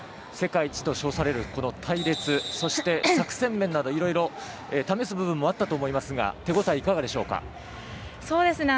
世界一と称される、隊列そして、作戦面などいろいろ試すことあったと思いますが手応えいかがでしょうか？